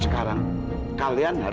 sekarang beginilah iklannya